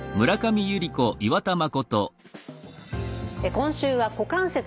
今週は股関節です。